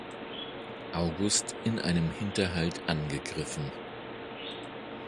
August in einem Hinterhalt angegriffen.